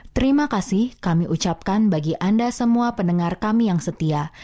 terima kasih kami ucapkan bagi anda semua pendengar kami yang setia